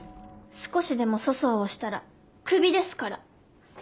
少しでも粗相をしたらクビですから。